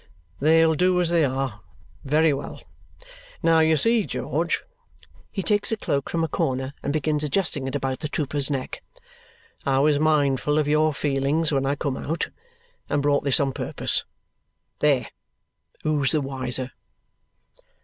"They'll do as they are? Very well! Now, you see, George" he takes a cloak from a corner and begins adjusting it about the trooper's neck "I was mindful of your feelings when I come out, and brought this on purpose. There! Who's the wiser?"